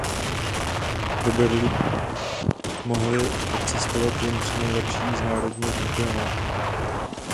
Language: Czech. Do Berlína přitom mohli odcestovat jen tři nejlepší z národního šampionátu.